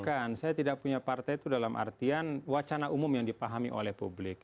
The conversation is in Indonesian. bukan saya tidak punya partai itu dalam artian wacana umum yang dipahami oleh publik